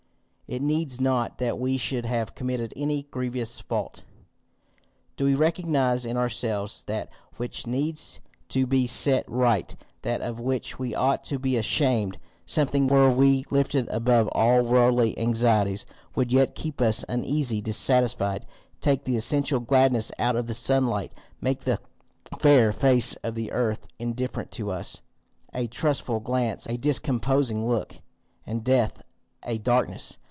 It needs not that we should have committed any grievous fault. Do we recognize in ourselves that which needs to be set right, that of which we ought to be ashamed, something which, were we lifted above all worldly anxieties, would yet keep us uneasy, dissatisfied, take the essential gladness out of the sunlight, make the fair face of the earth indifferent to us, a trustful glance a discomposing look, and death a darkness?